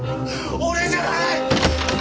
俺じゃない！